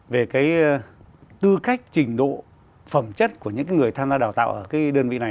về cái tư cách trình độ phẩm chất của những người tham gia đào tạo ở cái đơn vị này